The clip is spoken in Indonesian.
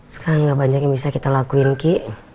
sekarang gak banyak yang bisa kita lakuin ki